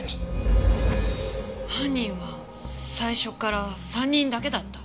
犯人は最初から３人だけだった？